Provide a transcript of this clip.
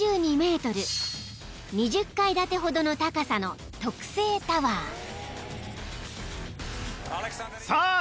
［２０階建てほどの高さの特製タワー］